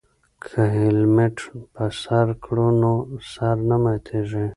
که هیلمټ په سر کړو نو سر نه ماتیږي.